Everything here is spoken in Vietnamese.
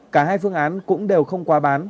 cả hai phương án cũng đều không qua bán